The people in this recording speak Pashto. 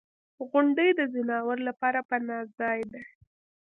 • غونډۍ د ځناورو لپاره پناه ځای دی.